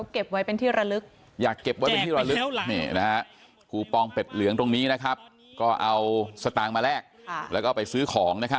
เขาเก็บไว้เป็นที่ระลึก